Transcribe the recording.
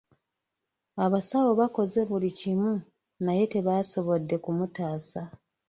Abasawo bakoze buli kimu, naye tebaasobodde kumutaasa.